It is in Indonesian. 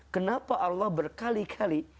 kenapa allah berkali kali